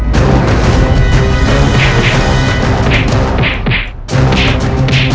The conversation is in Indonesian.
aku sudah berhenti